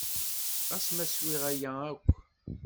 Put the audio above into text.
Ɣas ma swiɣ aya akk?